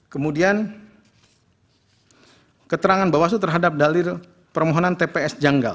kemudian keterangan bawaslu terhadap dalil permohonan tps janggal